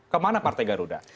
kemana partai garuda